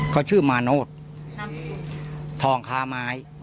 เขาชื่อมาโนตธรรม์คาไม้